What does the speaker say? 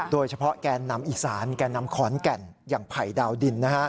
แกนนำอีสานแก่นำขอนแก่นอย่างไผ่ดาวดิน